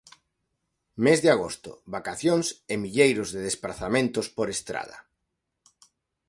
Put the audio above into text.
Mes de agosto, vacacións e milleiros de desprazamentos por estrada.